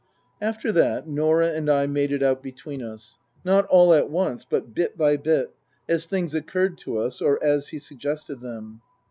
After that Norah and I made it out between us. Not all at once, but bit by bit, as things occurred to us or as he suggested them.